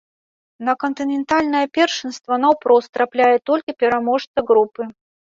На кантынентальнае першынства наўпрост трапляе толькі пераможца групы.